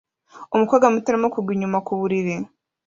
Umukobwa muto arimo kugwa inyuma ku buriri